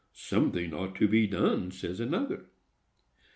"Something ought to be done," says another.